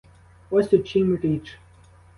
Ось у чім річ.